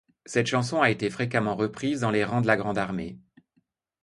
Cette chanson a été fréquemment reprise dans les rangs de la Grande Armée.